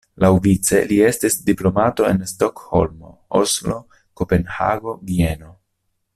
Laŭvice li estis diplomato en Stokholmo, Oslo, Kopenhago, Vieno.